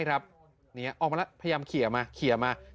ไอ้เหมียว